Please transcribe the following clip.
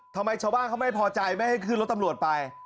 ชาวบ้านเขาไม่พอใจไม่ให้ขึ้นรถตำรวจไป